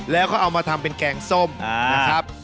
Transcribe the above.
แล้วก็เอามาทำเป็นแกงส้มนะครับ